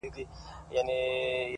زه به د ميني يوه در زده کړم،